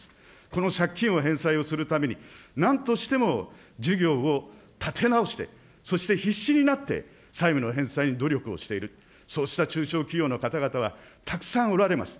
この借金を返済をするために、なんとしても事業を立て直して、そして必死になって債務の返済に努力をしている、そうした中小企業の方々はたくさんおられます。